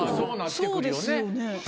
そうですよね。